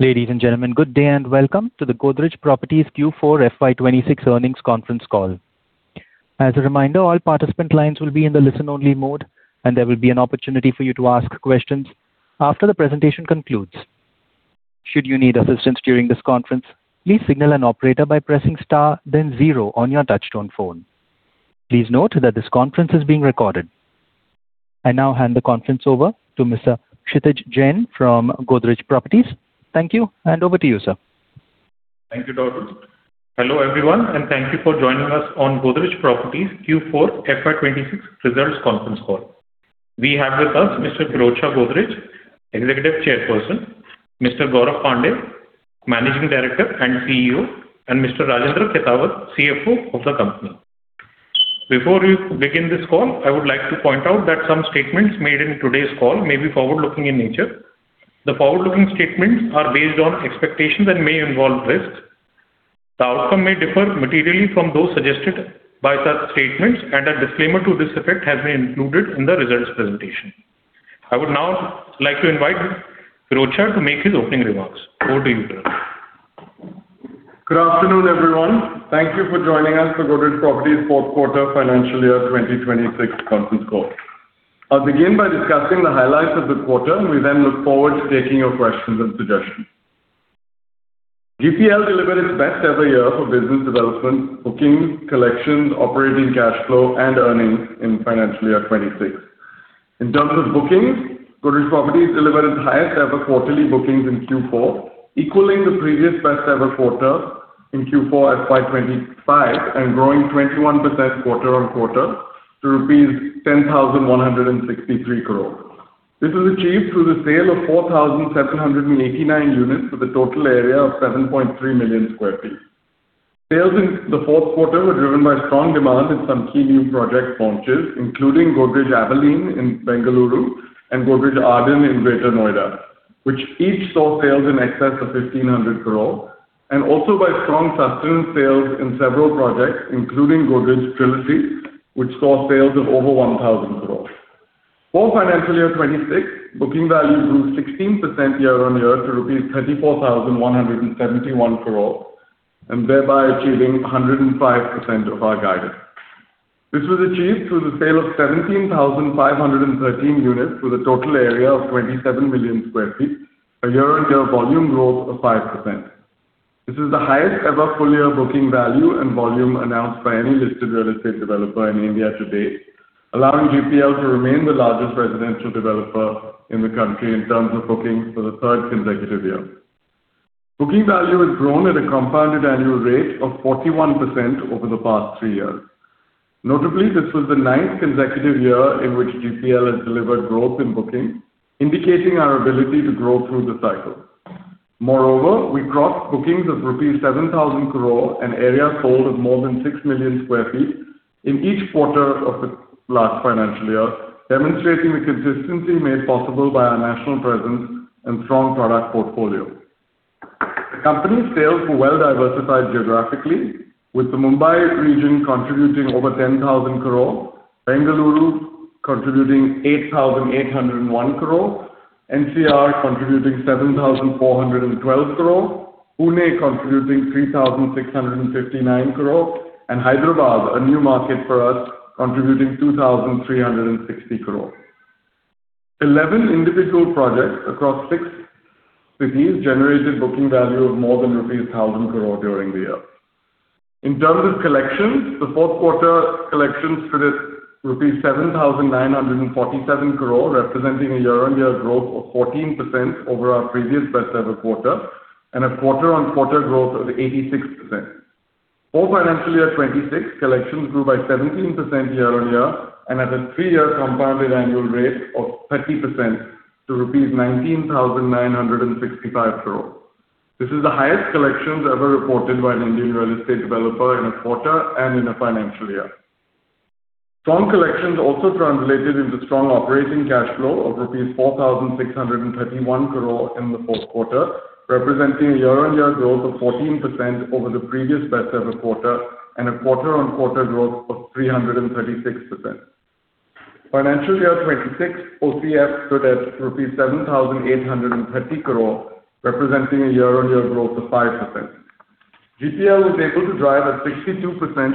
Ladies and gentlemen, good day and welcome to the Godrej Properties Q4 FY 2026 earnings conference call. As a reminder, all participant lines will be in the listen-only mode, and there will be an opportunity for you to ask questions after the presentation concludes. Should you need assistance during this conference, please signal an operator by pressing star then zero on your touchtone phone. Please note that this conference is being recorded. I now hand the conference over to Mr. Kshitij Jain from Godrej Properties. Thank you, and over to you, sir. Thank you, Dorus. Hello, everyone, and thank you for joining us on Godrej Properties Q4 FY 2026 results conference call. We have with us Mr. Pirojsha Godrej, Executive Chairperson, Mr. Gaurav Pandey, Managing Director and CEO, and Mr. Rajendra Khetawat, CFO of the company. Before we begin this call, I would like to point out that some statements made in today's call may be forward-looking in nature. The forward-looking statements are based on expectations and may involve risks. The outcome may differ materially from those suggested by such statements, and a disclaimer to this effect has been included in the results presentation. I would now like to invite Pirojsha to make his opening remarks. Over to you, sir. Good afternoon, everyone. Thank you for joining us for Godrej Properties fourth quarter financial year 2026 conference call. I'll begin by discussing the highlights of the quarter. We then look forward to taking your questions and suggestions. GPL delivered its best-ever year for business development, bookings, collections, operating cash flow, and earnings in financial year 2026. In terms of bookings, Godrej Properties delivered its highest-ever quarterly bookings in Q4, equaling the previous best-ever quarter in Q4 FY 2025 and growing 21% quarter-on-quarter to rupees 10,163 crore. This was achieved through the sale of 4,789 units with a total area of 7,3000,000 sq ft. Sales in the fourth quarter were driven by strong demand in some key new project launches, including Godrej Aveline in Bengaluru and Godrej Arden in Greater Noida, which each saw sales in excess of 1,500 crore, and also by strong sustained sales in several projects, including Godrej Trilogy, which saw sales of over 1,000 crore. For financial year 2026, booking value grew 16% year-on-year to rupees 34,171 crore, and thereby achieving 105% of our guidance. This was achieved through the sale of 17,513 units with a total area of 27,000,000 sq ft, a year-on-year volume growth of 5%. This is the highest ever full-year booking value and volume announced by any listed real estate developer in India to date, allowing GPL to remain the largest residential developer in the country in terms of bookings for the third consecutive year. Booking value has grown at a compounded annual rate of 41% over the past three years. Notably, this was the ninth consecutive year in which GPL has delivered growth in bookings, indicating our ability to grow through the cycle. We crossed bookings of rupees 7,000 crore and area sold of more than 6,000,000 sq ft in each quarter of the last financial year, demonstrating the consistency made possible by our national presence and strong product portfolio. The company's sales were well-diversified geographically, with the Mumbai region contributing over 10,000 crore, Bengaluru contributing 8,801 crore, NCR contributing 7,412 crore, Pune contributing 3,659 crore, and Hyderabad, a new market for us, contributing 2,360 crore. 11 individual projects across six cities generated booking value of more than rupees 1,000 crore during the year. In terms of collections, the fourth quarter collections stood at 7,947 crore, representing a year-on-year growth of 14% over our previous best ever quarter, and a quarter-on-quarter growth of 86%. For financial year 2026, collections grew by 17% year-on-year and at a three-year compounded annual rate of 30% to rupees 19,965 crore. This is the highest collections ever reported by an Indian real estate developer in a quarter and in a financial year. Strong collections also translated into strong operating cash flow of rupees 4,631 crore in the fourth quarter, representing a year-on-year growth of 14% over the previous best ever quarter and a quarter-on-quarter growth of 336%. Financial year 2026 OCF stood at rupees 7,830 crore, representing a year-on-year growth of 5%. GPL was able to drive a 62%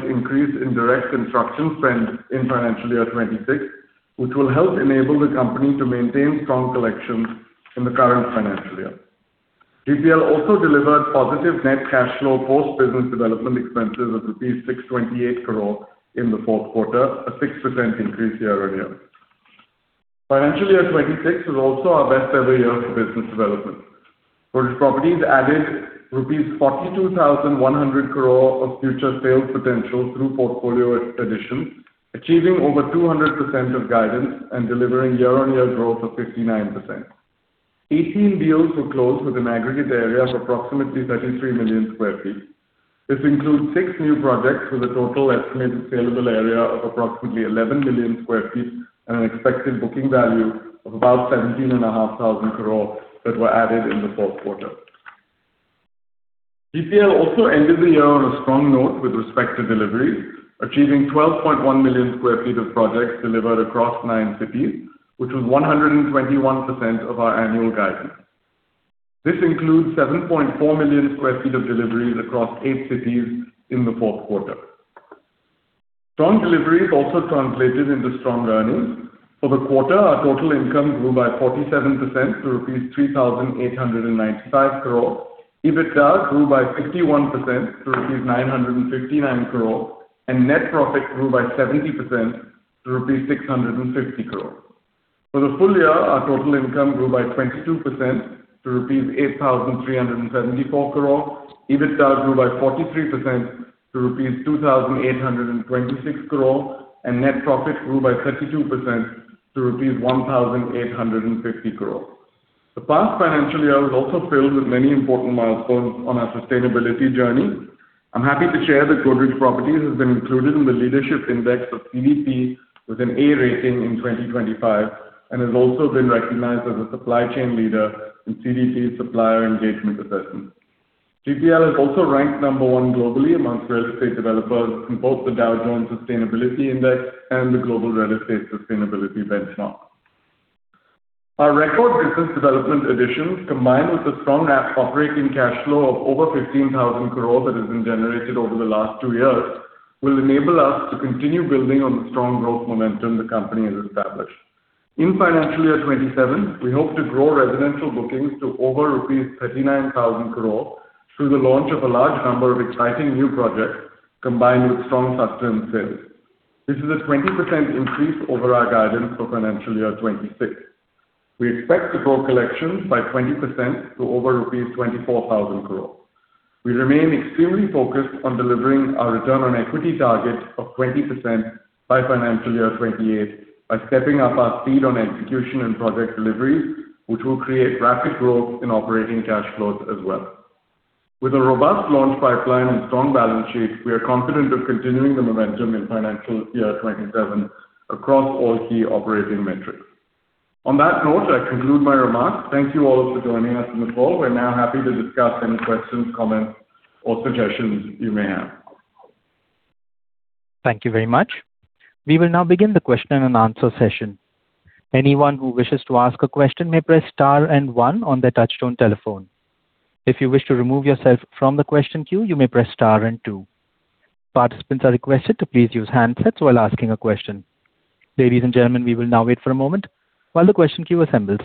increase in direct construction spend in financial year 2026, which will help enable the company to maintain strong collections in the current financial year. GPL also delivered positive net cash flow post business development expenses of 628 crore in the fourth quarter, a 6% increase year-on-year. FY 2026 was also our best ever year for business development. Godrej Properties added rupees 42,100 crore of future sales potential through portfolio addition, achieving over 200% of guidance and delivering year-on-year growth of 59%. 18 deals were closed with an aggregate area of approximately 33,000,000 sq ft. This includes six new projects with a total estimated saleable area of approximately 11,000,000 sq ft and an expected booking value of about 17,500 crore that were added in the fourth quarter. GPL also ended the year on a strong note with respect to deliveries, achieving 12,100,000 sq ft of projects delivered across nine cities, which was 121% of our annual guidance. This includes 7,400,000 sq ft of deliveries across eight cities in the fourth quarter. Strong deliveries also translated into strong earnings. For the quarter, our total income grew by 47% to INR 3,895 crore. EBITDA grew by 51% to INR 959 crore, and net profit grew by 70% to INR 650 crore. For the full year, our total income grew by 22% to INR 8,374 crore. EBITDA grew by 43% to INR 2,826 crore, and net profit grew by 32% to rupees 1,850 crore. The past financial year was also filled with many important milestones on our sustainability journey. I'm happy to share that Godrej Properties has been included in the leadership index of CDP with an A rating in 2025, and has also been recognized as a supply chain leader in CDP Supplier Engagement Assessment. GPL is also ranked number one globally amongst real estate developers in both the Dow Jones Sustainability Index and the Global Real Estate Sustainability Benchmark. Our record business development additions, combined with the strong operating cash flow of over 15,000 crore that has been generated over the last two years, will enable us to continue building on the strong growth momentum the company has established. In FY 2027, we hope to grow residential bookings to over rupees 39,000 crore through the launch of a large number of exciting new projects combined with strong cluster and sales. This is a 20% increase over our guidance for FY 2026. We expect to grow collections by 20% to over rupees 24,000 crore. We remain extremely focused on delivering our return on equity target of 20% by FY 2028 by stepping up our speed on execution and project deliveries, which will create rapid growth in operating cash flows as well. With a robust launch pipeline and strong balance sheet, we are confident of continuing the momentum in financial year 2027 across all key operating metrics. On that note, I conclude my remarks. Thank you all for joining us on the call. We are now happy to discuss any questions, comments, or suggestions you may have. Thank you very much. We will now begin the question and answer session. Anyone who wishes to ask a question may press star and one on their touchtone telephone. If you wish to remove yourself from the question queue, you may press star and two. Participants are requested to please use handsets while asking a question. Ladies and gentlemen, we will now wait for a moment while the question queue assembles.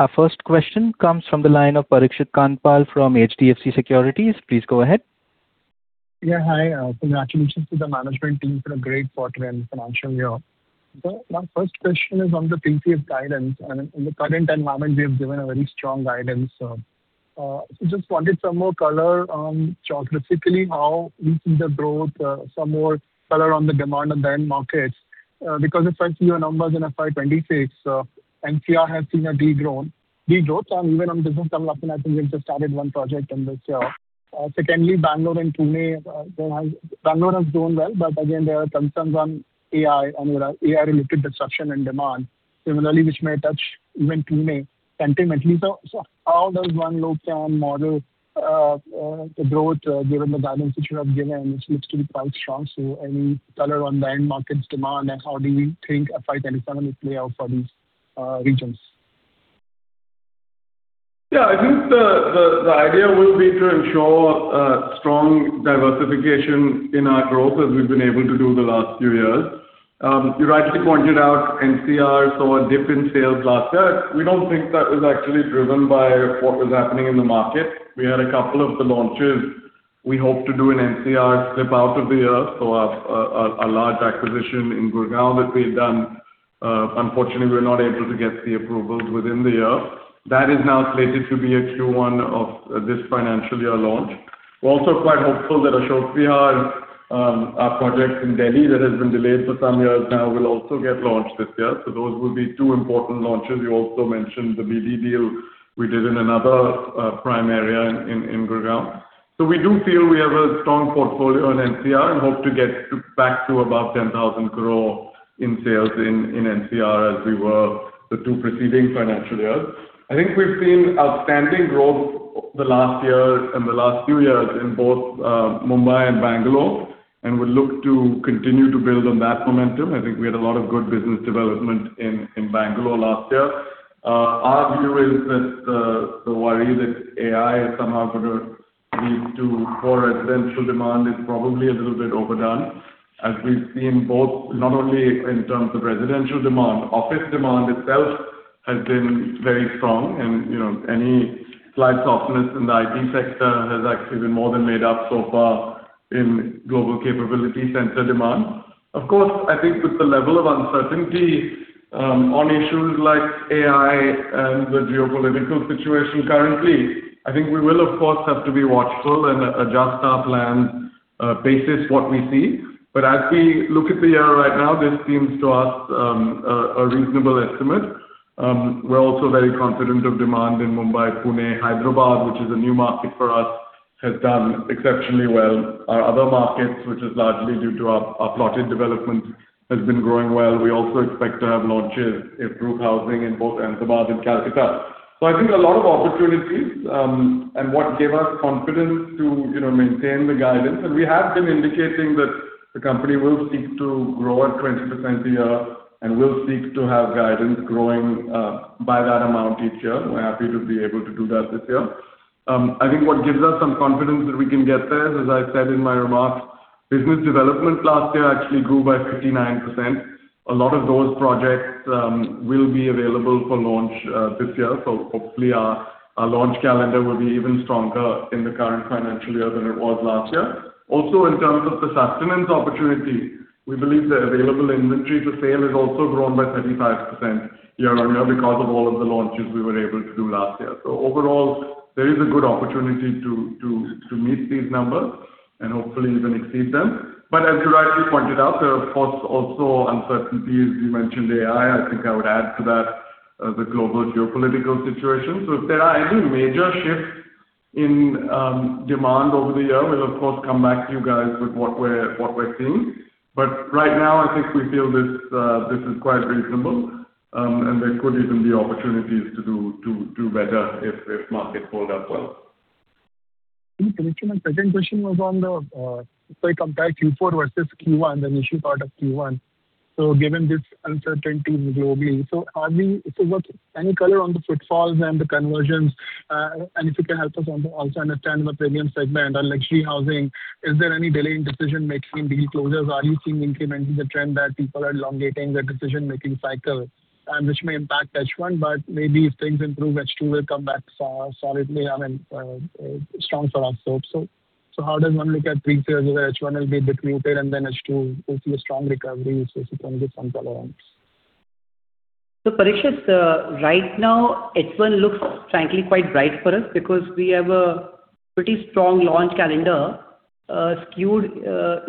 Our first question comes from the line of Parikshit Kandpal from HDFC Securities. Please go ahead. Yeah, hi. Congratulations to the management team for a great quarter and financial year. My first question is on the previous guidance. In the current environment, we have given a very strong guidance. Just wanted some more color on geographically how we see the growth, some more color on the demand on the end markets? Because if I see your numbers in FY 2026, NCR has seen a degrowth. Even on business development, I think we just started one project in this year. Secondly, Bangalore and Pune, Bangalore has grown well, but again, there are concerns on AI and AI-related disruption and demand similarly, which may touch even Pune sentimentally. How does one look and model the growth given the guidance which you have given, which looks to be quite strong? Any color on the end markets demand and how do we think FY 2027 will play out for these regions? I think the idea will be to ensure strong diversification in our growth as we've been able to do the last few years. You rightly pointed out NCR saw a dip in sales last year. We don't think that was actually driven by what was happening in the market. We had a couple of the launches we hope to do in NCR slip out of the year. A large acquisition in Gurugram that we've done, unfortunately, we were not able to get the approvals within the year. That is now slated to be a Q1 of this financial year launch. We're also quite hopeful that Ashok Vihar, our project in Delhi that has been delayed for some years now will also get launched this year. Those will be two important launches. You also mentioned the BD deal we did in another prime area in Gurgaon. We do feel we have a strong portfolio in NCR and hope to get back to above 10,000 crore in sales in NCR as we were the two preceding financial years. I think we've seen outstanding growth the last year and the last few years in both Mumbai and Bangalore, and we look to continue to build on that momentum. I think we had a lot of good business development in Bangalore last year. Our view is that the worry that AI is somehow going to lead to poor residential demand is probably a little bit overdone, as we've seen both, not only in terms of residential demand. Office demand itself has been very strong, you know, any slight softness in the IT sector has actually been more than made up so far in global capability center demand. Of course, I think with the level of uncertainty on issues like AI and the geopolitical situation currently, I think we will of course have to be watchful and adjust our plan basis what we see. As we look at the year right now, this seems to us a reasonable estimate. We're also very confident of demand in Mumbai, Pune, Hyderabad, which is a new market for us. Has done exceptionally well. Our other markets, which is largely due to our plotted development, has been growing well. We also expect to have launches in group housing in both Ahmedabad and Kolkata. I think a lot of opportunities, and what gave us confidence to, you know, maintain the guidance, and we have been indicating that the company will seek to grow at 20% a year and will seek to have guidance growing by that amount each year. We're happy to be able to do that this year. I think what gives us some confidence that we can get there is, as I said in my remarks, business development last year actually grew by 59%. A lot of those projects will be available for launch this year. Hopefully our launch calendar will be even stronger in the current financial year than it was last year. In terms of the sustenance opportunity, we believe the available inventory to sale has also grown by 35% year-on-year because of all of the launches we were able to do last year. Overall, there is a good opportunity to meet these numbers and hopefully even exceed them. As you rightly pointed out, there are, of course, also uncertainties. You mentioned AI. I think I would add to that the global geopolitical situation. If there are any major shifts in demand over the year, we'll of course come back to you guys with what we're seeing. Right now, I think we feel this is quite reasonable, and there could even be opportunities to do better if markets hold up well. Interesting. My second question was on the if I compare Q4 versus Q1, the issue part of Q1. Given this uncertainty globally, what any color on the footfalls and the conversions? If you can help us on the also understand the premium segment, our luxury housing. Is there any delay in decision-making, deal closures? Are you seeing incremental, the trend that people are elongating their decision-making cycle and which may impact H1, but maybe if things improve, H2 will come back so solidly on an strong for us hope. How does one look at pre-sales where H1 will be a bit muted and then H2 hopefully a strong recovery? If you can give some color on this. Parikshit, right now H1 looks frankly quite bright for us because we have a pretty strong launch calendar, skewed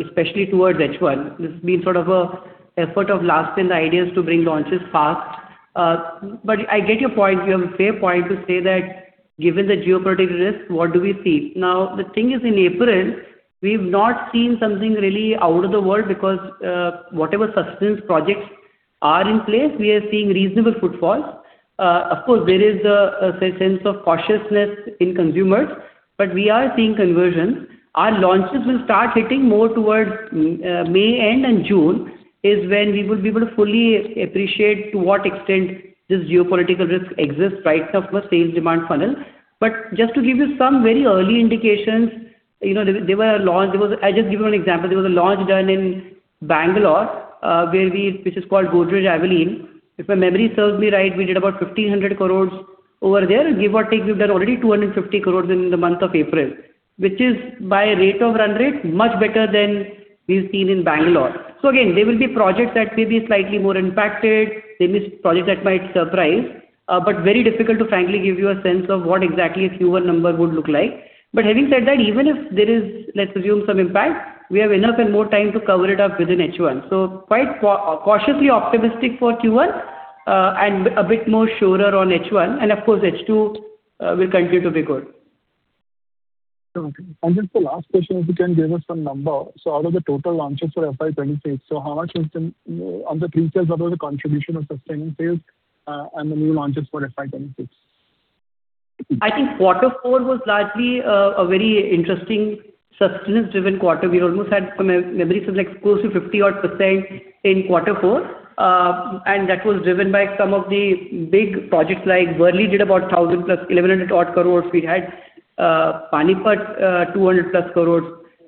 especially towards H1. This has been sort of a effort of last minute ideas to bring launches fast. I get your point. You have a fair point to say that given the geopolitical risk, what do we see? The thing is in April, we've not seen something really out of the world because whatever sustenance projects are in place, we are seeing reasonable footfalls. Of course, there is a sense of cautiousness in consumers, we are seeing conversions. Our launches will start hitting more towards May end and June is when we would be able to fully appreciate to what extent this geopolitical risk exists right across the sales demand funnel. Just to give you some very early indications, you know, I'll just give you an example. There was a launch done in Bangalore, which is called Godrej Aveline. If my memory serves me right, we did about 1,500 crore over there. Give or take, we've done already 250 crore in the month of April, which is by rate of run rate, much better than we've seen in Bangalore. Again, there will be projects that may be slightly more impacted. There may be projects that might surprise, but very difficult to frankly give you a sense of what exactly a Q1 number would look like. Having said that, even if there is, let's assume, some impact, we have enough and more time to cover it up within H1. Quite cautiously optimistic for Q1, and a bit more surer on H1. Of course, H2, will continue to be good. Sure. Just the last question, if you can give us some number. Out of the total launches for FY 2026, how much has been on the pre-sales, what was the contribution of sustaining sales, and the new launches for FY 2026? I think quarter four was largely a very interesting sustenance-driven quarter. We almost had, from me-memory, it was like close to 50%-odd in quarter four. That was driven by some of the big projects like Worli did about 1,100 odd crores. We had Panipat 200 plus crores,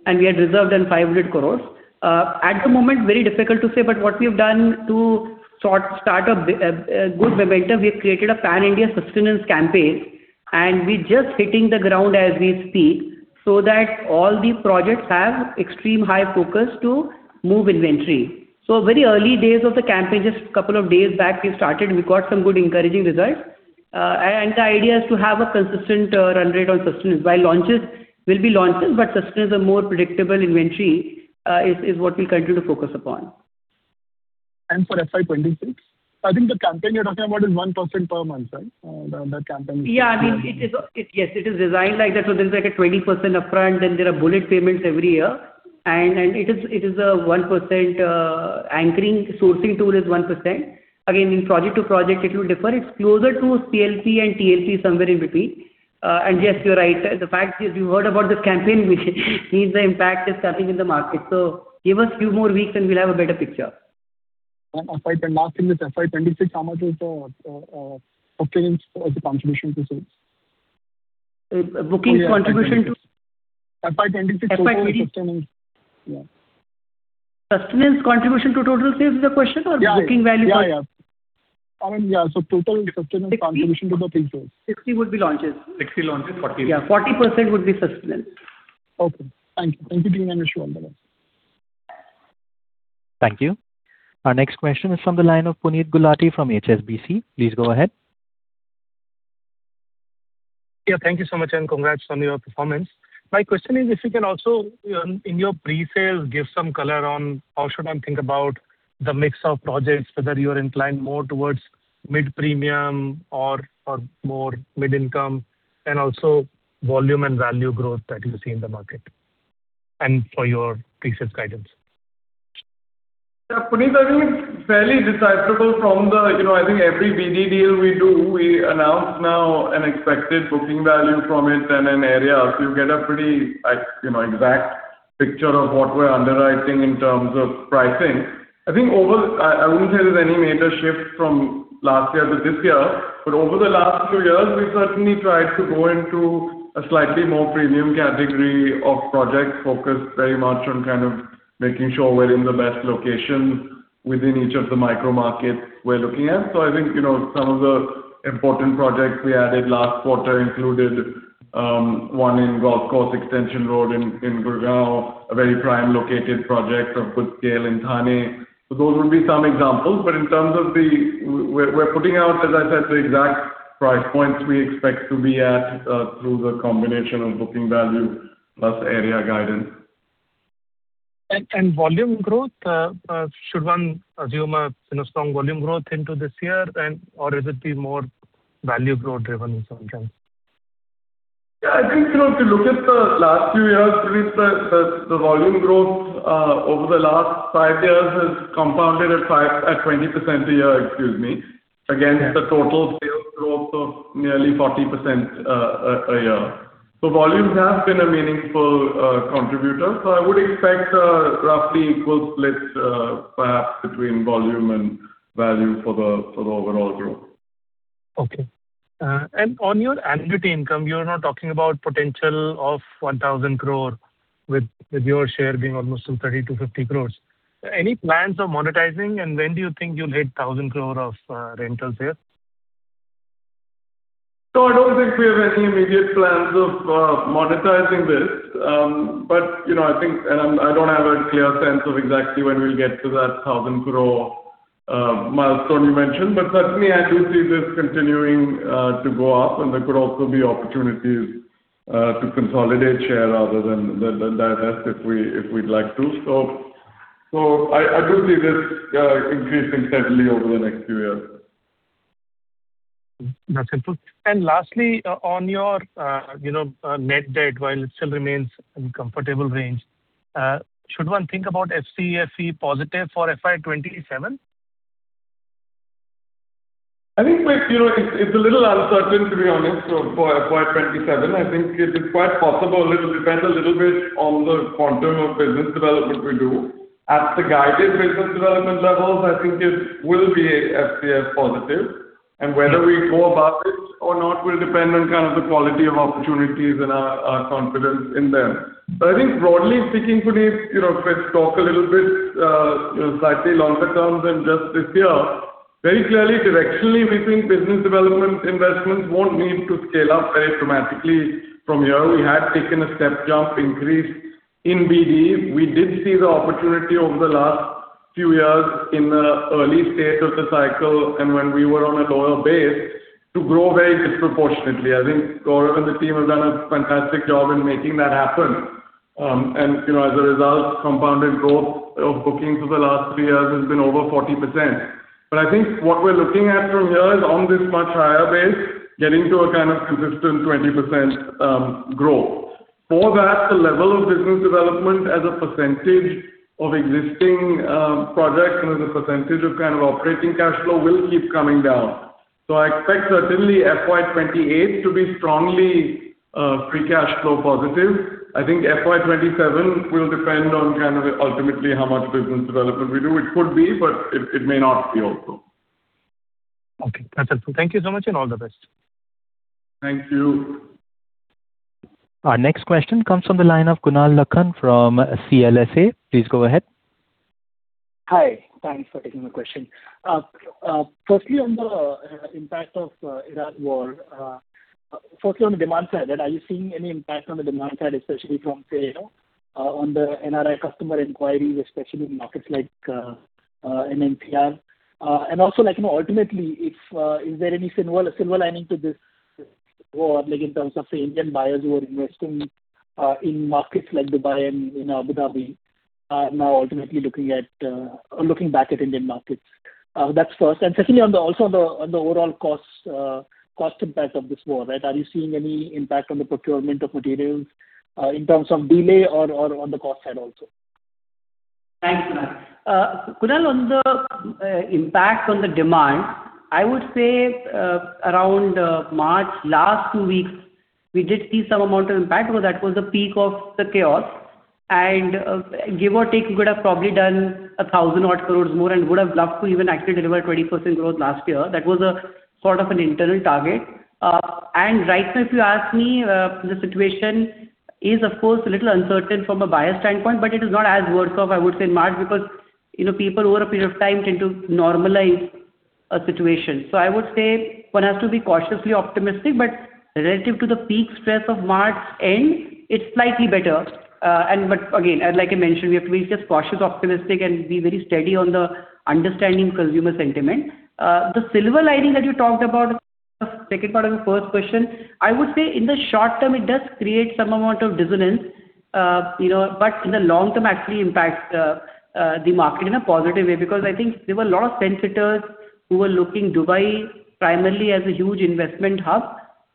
we had Godrej Reserve then 500 crores. At the moment, very difficult to say, what we have done to sort start a good momentum, we have created a pan-India sustenance campaign, we're just hitting the ground as we speak so that all the projects have extreme high focus to move inventory. Very early days of the campaign, just a couple of days back, we've started, we got some good encouraging results. The idea is to have a consistent, run rate on sustenance. While launches will be launches, sustenance are more predictable inventory, is what we'll continue to focus upon. For FY 2026? I think the campaign you're talking about is 1% per month, right? Yeah, I mean, yes, it is designed like that. There's like a 20% upfront, then there are bullet payments every year. And it is a 1%, anchoring sourcing tool is 1%. Again, in project to project it will differ. It's closer to CLP and TLP, somewhere in between. Yes, you're right. The fact is you heard about this campaign means the impact is coming in the market. Give us a few more weeks, and we'll have a better picture. Last thing is FY 2026, how much is the bookings contribution to sales? bookings contribution to- FY 2026 total sustenance. FY 2026. Yeah. Sustenance contribution to total sales is the question or booking value for. Yeah. Yeah, yeah. I mean, yeah, total sustenance contribution to the pre-sales. 60% would be launches. 60% launches, 40%- Yeah, 40% would be sustenance. Okay. Thank you. Thank you, Parikshit All the best. Thank you. Our next question is from the line of Puneet Gulati from HSBC. Please go ahead. Yeah. Thank you so much, and congrats on your performance. My question is if you can also, you know, in your pre-sales, give some color on how should I think about the mix of projects, whether you are inclined more towards mid-premium or more mid-income, and also volume and value growth that you see in the market, and for your pre-sales guidance. Yeah, Puneet, I think it's fairly decipherable from the. You know, I think every BD deal we do, we announce now an expected booking value from it and an area. You get a pretty exact picture of what we're underwriting in terms of pricing. I think I wouldn't say there's any major shift from last year to this year. Over the last two years, we certainly tried to go into a slightly more premium category of projects, focused very much on kind of making sure we're in the best location within each of the micro markets we're looking at. I think, you know, some of the important projects we added last quarter included one in Golf Course Extension Road in Gurgaon, a very prime located project of good scale in Thane. Those would be some examples. We're putting out, as I said, the exact price points we expect to be at, through the combination of booking value plus area guidance. Volume growth, should one assume a, you know, strong volume growth into this year or is it be more value growth driven in some terms? I think, you know, if you look at the last few years, Puneet, the volume growth over the last five years has compounded at 20% a year, excuse me, against the total sales growth of nearly 40% a year. Volumes have been a meaningful contributor. I would expect a roughly equal split, perhaps between volume and value for the overall growth. Okay. On your annuity income, you're now talking about potential of 1,000 crore with your share being almost some 30 crore-50 crore. Any plans of monetizing, and when do you think you'll hit 1,000 crore of rentals here? No, I don't think we have any immediate plans of monetizing this. You know, I think I don't have a clear sense of exactly when we'll get to that 1,000 crore milestone you mentioned. Certainly I do see this continuing to go up, and there could also be opportunities to consolidate share rather than divest if we, if we'd like to. I do see this increasing steadily over the next few years. That's helpful. Lastly, on your, you know, net debt, while it still remains in comfortable range, should one think about FCFE positive for FY 2027? I think, you know, it's a little uncertain, to be honest, for FY 2027. I think it's quite possible. It'll depend a little bit on the quantum of business development we do. At the guided business development levels, I think it will be FCF positive. Whether we go above it or not will depend on kind of the quality of opportunities and our confidence in them. I think broadly speaking, Puneet, you know, if I talk a little bit, you know, slightly longer term than just this year, very clearly directionally we think business development investments won't need to scale up very dramatically from here. We had taken a step jump increase in BD. We did see the opportunity over the last few years in the early stage of the cycle and when we were on a lower base to grow very disproportionately. I think Gaurav and the team have done a fantastic job in making that happen. You know, as a result, compounded growth of bookings over the last three years has been over 40%. I think what we're looking at from here is on this much higher base, getting to a kind of consistent 20% growth. For that, the level of business development as a percentage of existing projects and as a percentage of kind of operating cash flow will keep coming down. I expect certainly FY 2028 to be strongly free cash flow positive. I think FY 2027 will depend on kind of ultimately how much business development we do. It could be, but it may not be also. Okay. That is helpful. Thank you so much, and all the best. Thank you. Our next question comes from the line of Kunal Lakhan from CLSA. Please go ahead. Hi. Thanks for taking my question. Firstly, on the impact of raw material. Firstly, on the demand side, right, are you seeing any impact on the demand side, especially from, say, you know, on the NRI customer inquiries, especially in markets like MNPR? Also like, you know, ultimately, if, is there any silver lining to this war, like in terms of, say, Indian buyers who are investing, in markets like Dubai and, you know, Abu Dhabi are now ultimately looking at, or looking back at Indian markets? That's first. Secondly, also on the overall cost impact of this war, right? Are you seeing any impact on the procurement of materials, in terms of delay or on the cost side also? Thanks, Kunal. Kunal, on the impact on the demand, I would say, around March last two weeks, we did see some amount of impact. Well, that was the peak of the chaos. Give or take, we could have probably done 1,000 odd crores more, and would have loved to even actually deliver 20% growth last year. That was a sort of an internal target. Right now, if you ask me, the situation is of course a little uncertain from a buyer standpoint, but it is not as worse off, I would say, in March, because, you know, people over a period of time tend to normalize a situation. I would say one has to be cautiously optimistic, but relative to the peak stress of March end, it's slightly better. Again, like I mentioned, we have to be just cautious optimistic and be very steady on the understanding consumer sentiment. The silver lining that you talked about. Second part of the first question, I would say in the short term, it does create some amount of dissonance, you know. In the long term, actually impacts the market in a positive way because I think there were a lot of fence sitters who were looking Dubai primarily as a huge investment hub,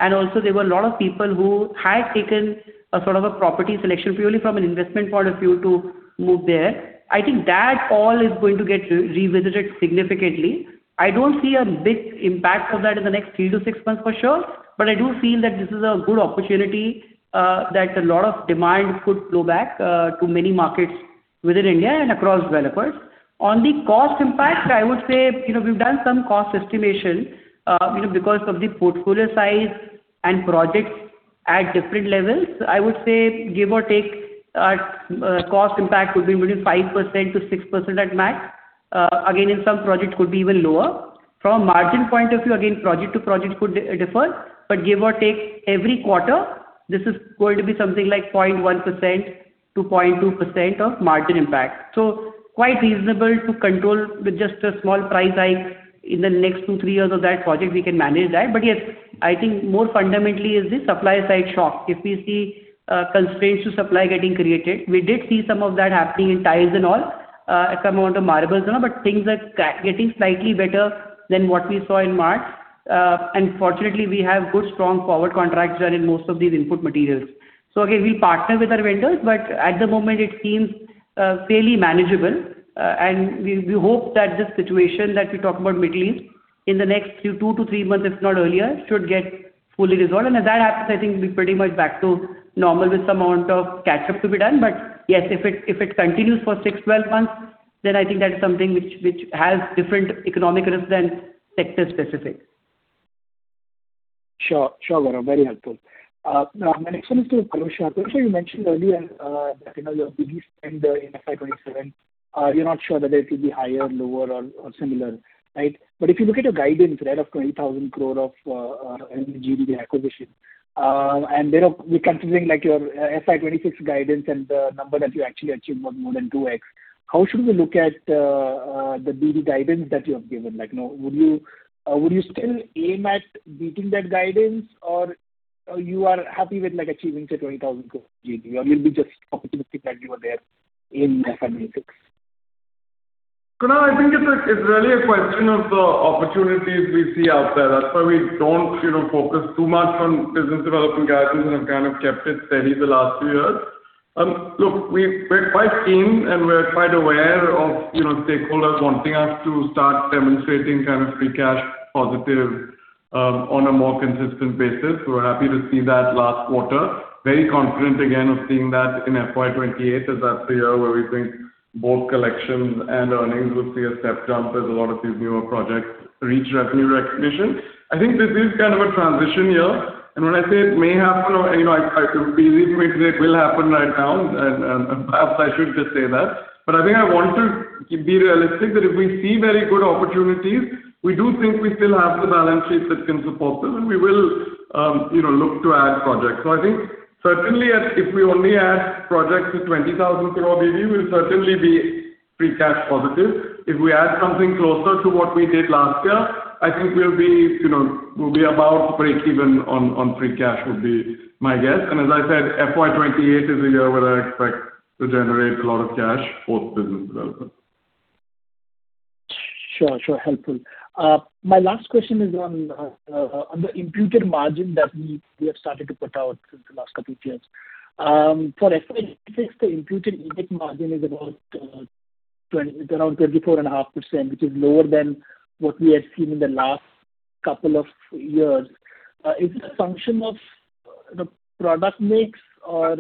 and also there were a lot of people who had taken a sort of a property selection purely from an investment point of view to move there. I think that all is going to get revisited significantly. I don't see a big impact of that in the next three to six months for sure. I do feel that this is a good opportunity that a lot of demand could flow back to many markets within India and across developers. On the cost impact, I would say, you know, we've done some cost estimation, you know, because of the portfolio size and projects at different levels. I would say give or take, cost impact could be between 5%-6% at max. Again, in some projects could be even lower. From a margin point of view, again, project to project could differ. Give or take every quarter this is going to be something like 0.1%-0.2% of margin impact. Quite reasonable to control with just a small price hike in the next two, three years of that project we can manage that. Yes, I think more fundamentally is the supply side shock. If we see constraints to supply getting created. We did see some of that happening in tiles and all, a fair amount of marbles. You know, things are getting slightly better than what we saw in March. Fortunately, we have good, strong forward contracts that are in most of these input materials. Again, we partner with our vendors, but at the moment it seems fairly manageable. We hope that this situation that we talk about Middle East in the next two to three months, if not earlier, should get fully resolved. As that happens, I think we'll be pretty much back to normal with some amount of catch-up to be done. Yes, if it continues for 6-12 months, then I think that's something which has different economic risk than sector specific. Sure. Sure, Gaurav. Now my next one is to Pirojsha. Pirojsha, you mentioned earlier that, you know, your BD spend in FY 2027, you're not sure whether it will be higher, lower or similar. Right? If you look at your guidance there of 20,000 crore in the GDV acquisition, and you know, we're considering like your FY 2026 guidance and the number that you actually achieved was more than 2x. How should we look at the BD guidance that you have given? Like now would you still aim at beating that guidance or you are happy with like achieving say 20,000 crore GDV or you'll be just opportunistic like you were there in FY 2026? Kunal, I think it's really a question of the opportunities we see out there. That's why we don't, you know, focus too much on business development guidance, and have kind of kept it steady the last few years. Look, we're quite keen and we're quite aware of, you know, stakeholders wanting us to start demonstrating kind of free cash positive on a more consistent basis. We were happy to see that last quarter. Very confident again of seeing that in FY 2028, as that's the year where we think both collections and earnings will see a step jump as a lot of these newer projects reach revenue recognition. I think this is kind of a transition year, and when I say it may happen or, you know, I believe me today it will happen right now and perhaps I should just say that. I think I want to be realistic that if we see very good opportunities, we do think we still have the balance sheet that can support this, and we will, you know, look to add projects. I think certainly as if we only add projects to 20,000 crore BD, we'll certainly be free cash positive. If we add something closer to what we did last year, I think we'll be, you know, we'll be about breakeven on free cash, would be my guess. As I said, FY 2028 is really where I expect to generate a lot of cash for business development. Sure. Sure. Helpful. My last question is on the imputed margin that we have started to put out since the last couple of years. For FY 2026, the imputed EBIT margin is about, it's around 34.5%, which is lower than what we had seen in the last couple of years. Is it a function of the product mix or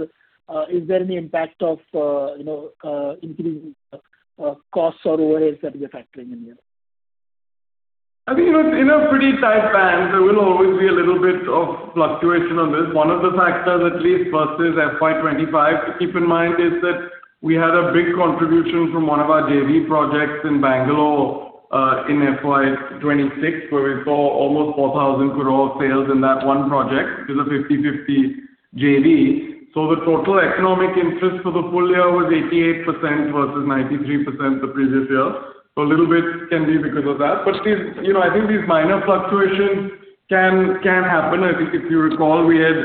is there any impact of, you know, increasing costs or overheads that we are factoring in here? I mean, you know, in a pretty tight band, there will always be a little bit of fluctuation on this. One of the factors, at least versus FY 2025 to keep in mind, is that we had a big contribution from one of our JV projects in Bangalore in FY 2026, where we saw almost 4,000 crore sales in that one project. It's a 50/50 JV. The total economic interest for the full year was 88% versus 93% the previous year. A little bit can be because of that. These, you know, I think these minor fluctuations can happen. I think if you recall, we had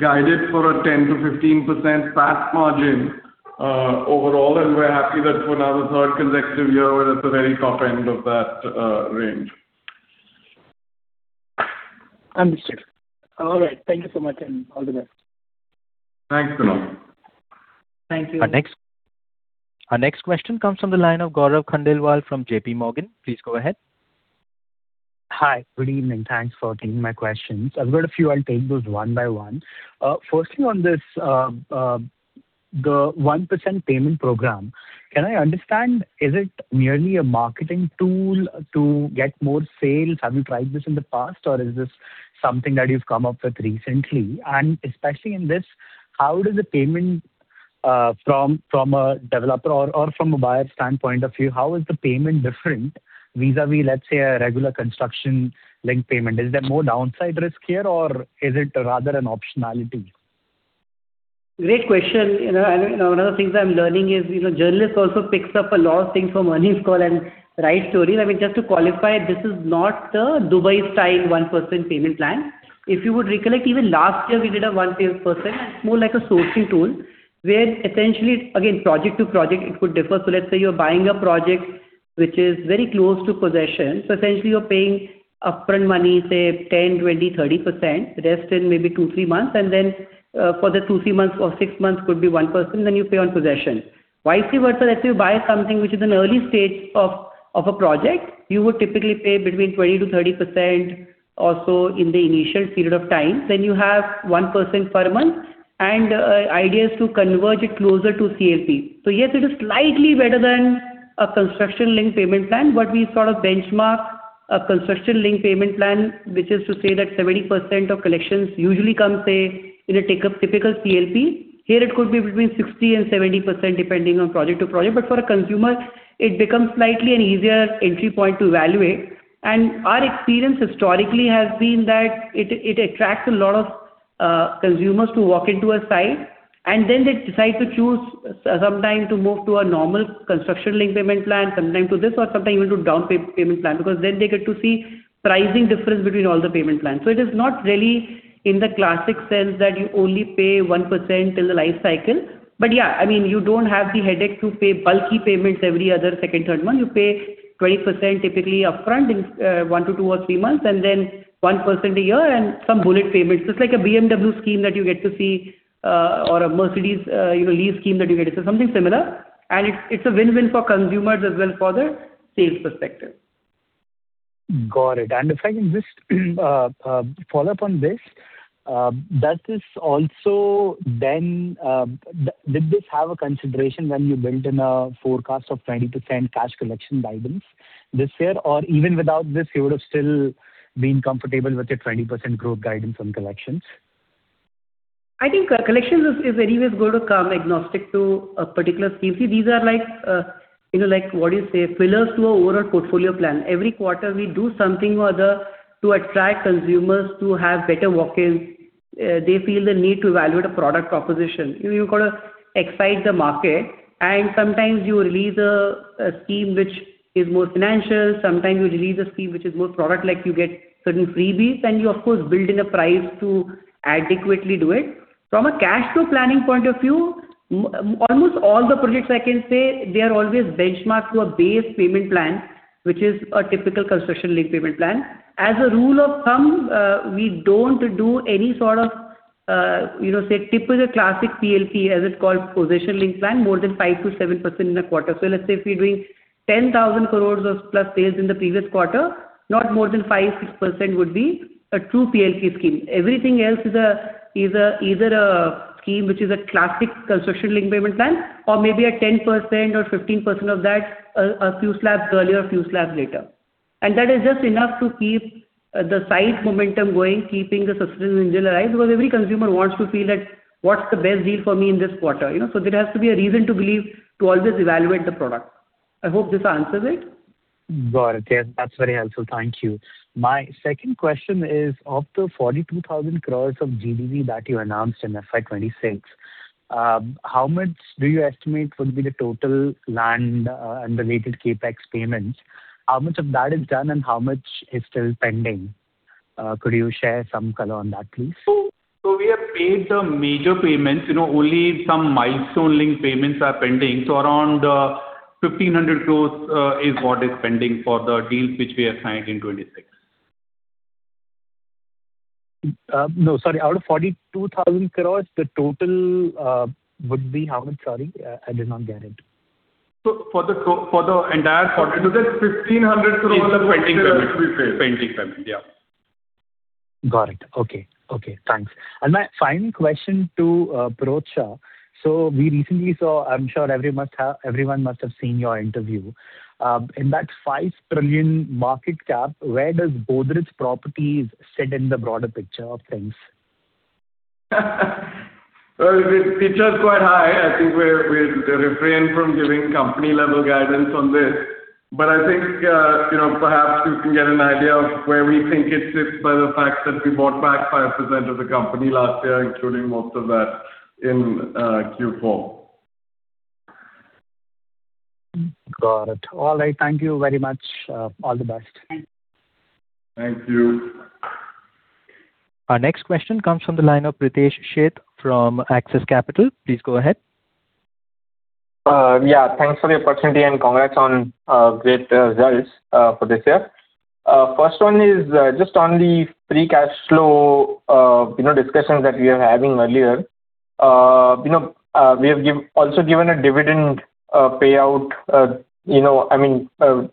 guided for a 10%-15% sales margin overall, and we're happy that for now the 3rd consecutive year we're at the very top end of that range. Understood. All right. Thank you so much and all the best. Thanks, Kunal. Thank you. Our next question comes from the line of Gourav Khandelwal from JPMorgan. Please go ahead. Hi. Good evening. Thanks for taking my questions. I've got a few. I'll take those one by one. Firstly, on this, the 1% payment program, can I understand, is it merely a marketing tool to get more sales? Have you tried this in the past or is this something that you've come up with recently? Especially in this, how does the payment, from a developer or from a buyer standpoint of view, how is the payment different vis-a-vis, let's say, a regular construction linked payment? Is there more downside risk here or is it rather an optionality? Great question. You know, you know, one of the things I'm learning is, you know, journalists also picks up a lot of things from earnings call and write stories. I mean, just to qualify, this is not a Dubai-style 1% payment plan. If you would recollect, even last year we did a 1% payment, more like a sourcing tool, where essentially, again, project to project it could differ. Let's say you're buying a project which is very close to possession. Essentially you're paying upfront money, say 10%, 20%, 30%, rest in maybe 2-3 months, and then, for the 2-3 months or six months could be 1%, then you pay on possession. Vice versa, let's say you buy something which is in early stage of a project, you would typically pay between 20%-30% or so in the initial period of time. You have 1% per month, and idea is to converge it closer to CLP. Yes, it is slightly better than a construction linked payment plan, but we sort of benchmark a construction linked payment plan, which is to say that 70% of collections usually come, say, in a typical CLP. Here it could be between 60% and 70%, depending on project to project. For a consumer it becomes slightly an easier entry point to evaluate. Our experience historically has been that it attracts a lot of consumers to walk into a site, and then they decide to choose sometime to move to a normal Construction-linked Payment Plan, sometime to this or sometime even to down payment plan, because then they get to see pricing difference between all the payment plans. It is not really in the classic sense that you only pay 1% in the life cycle. Yeah, I mean, you don't have the headache to pay bulky payments every other second, third month. You pay 20% typically upfront in 1-2 or three months, and then 1% a year and some bullet payments. It's like a BMW scheme that you get to see, or a Mercedes-Benz, you know, lease scheme that you get. It's something similar, and it's a win-win for consumers as well as for the sales perspective. Got it. If I can just follow up on this. Does this also then did this have a consideration when you built in a forecast of 20% cash collection guidance this year? Even without this, you would have still been comfortable with your 20% growth guidance on collections? I think our collections is anyways going to come agnostic to a particular scheme. These are like, you know, like, what do you say, pillars to our overall portfolio plan. Every quarter we do something or other to attract consumers to have better walk-ins. They feel the need to evaluate a product proposition. You know, you've got to excite the market, sometimes you release a scheme which is more financial, sometimes you release a scheme which is more product-like. You get certain freebies and you of course build in a price to adequately do it. From a cash flow planning point of view, almost all the projects I can say, they are always benchmarked to a base payment plan, which is a typical Construction-linked Payment Plan. As a rule of thumb, we don't do any sort of, you know, say, typical classic PLP, as it's called, Possession Linked Plan, more than 5%-7% in a quarter. Let's say if we're doing 10,000 crores sales in the previous quarter, not more than 5%-6% would be a true PLP scheme. Everything else is either a scheme which is a classic Construction-linked Payment Plan or maybe a 10% or 15% of that, a few slabs earlier, a few slabs later. That is just enough to keep the site momentum going, keeping the sustainable engine alive, because every consumer wants to feel that what's the best deal for me in this quarter, you know? There has to be a reason to believe, to always evaluate the product. I hope this answers it. Got it. Yes, that's very helpful. Thank you. My second question is, of the 42,000 crores of GDV that you announced in FY 2026, how much do you estimate would be the total land and related CapEx payments? How much of that is done and how much is still pending? Could you share some color on that, please? We have paid the major payments. You know, only some milestone link payments are pending. Around 1,500 crore is what is pending for the deals which we have signed in 2026. No, sorry. Out of 42,000 crores, the total would be how much? Sorry, I did not get it. For the entire project, so that's INR 1,500 crores of. It's pending payment. -pending payment. Pending payment, yeah. Got it. Okay. Okay, thanks. My final question to Pirojsha. We recently saw, I'm sure everyone must have seen your interview. In that 5 trillion market cap, where does Godrej Properties sit in the broader picture of things? Well, the picture's quite high. I think we'll refrain from giving company-level guidance on this. I think, you know, perhaps you can get an idea of where we think it sits by the fact that we bought back 5% of the company last year, including most of that in Q4. Got it. All right. Thank you very much. All the best. Thank you. Thank you. Our next question comes from the line of Pritesh Sheth from Axis Capital. Please go ahead. Yeah, thanks for the opportunity and congrats on great results for this year. First one is just on the free cash flow, you know, discussions that we were having earlier. You know, we have also given a dividend payout, you know, I mean, we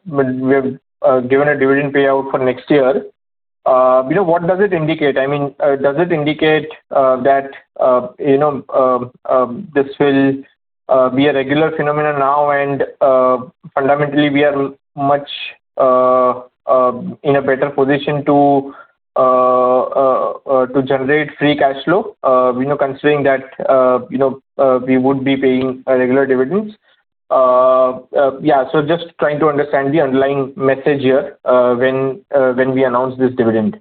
have given a dividend payout for next year. You know, what does it indicate? I mean, does it indicate that, you know, this will be a regular phenomenon now and fundamentally we are much in a better position to generate free cash flow? You know, considering that, you know, we would be paying regular dividends. Yeah, just trying to understand the underlying message here, when we announce this dividend.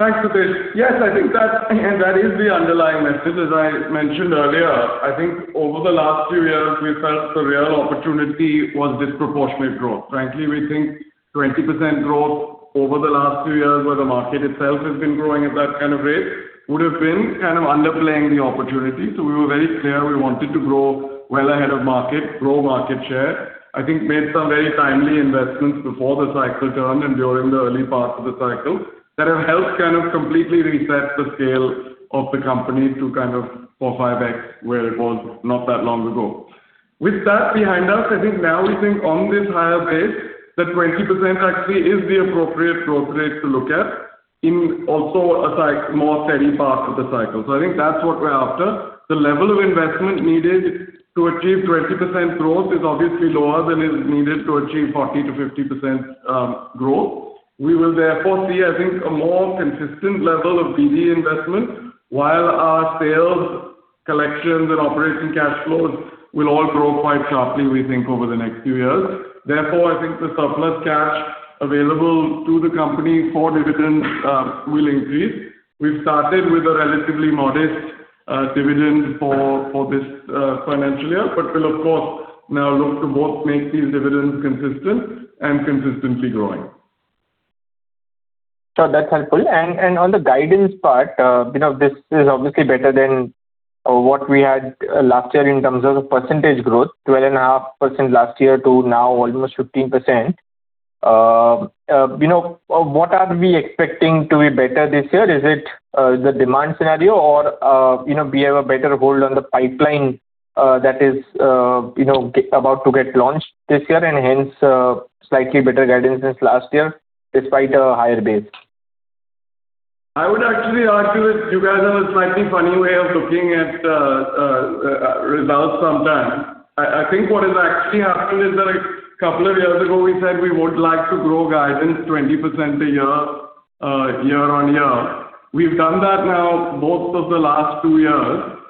Thanks, Pritesh. Yes, I think that is the underlying message. As I mentioned earlier, I think over the last few years, we felt the real opportunity was disproportionate growth. Frankly, we think 20% growth over the last two years, where the market itself has been growing at that kind of rate, would've been kind of underplaying the opportunity. We were very clear we wanted to grow well ahead of market, grow market share. I think made some very timely investments before the cycle turned and during the early part of the cycle that have helped kind of completely reset the scale of the company to kind of 4x-5x where it was not that long ago. With that behind us, I think now we think on this higher base that 20% actually is the appropriate growth rate to look at in also a more steady part of the cycle. I think that's what we're after. The level of investment needed to achieve 20% growth is obviously lower than is needed to achieve 40%-50% growth. We will therefore see, I think, a more consistent level of BD investment while our sales, collections and operating cash flows will all grow quite sharply, we think, over the next few years. Therefore, I think the surplus cash available to the company for dividends will increase. We've started with a relatively modest dividend for this financial year, but we'll of course now look to both make these dividends consistent and consistently growing. Sure, that's helpful. On the guidance part, you know, this is obviously better than what we had last year in terms of the percentage growth, 12.5% last year to now almost 15%. You know, what are we expecting to be better this year? Is it the demand scenario or, you know, we have a better hold on the pipeline that is about to get launched this year and hence, slightly better guidance since last year despite a higher base? I would actually argue with you guys on a slightly funny way of looking at results sometimes. I think what has actually happened is that a couple of years ago we said we would like to grow guidance 20% a year on year. We've done that now both of the last two years.